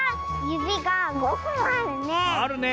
ゆびが５ほんあるね。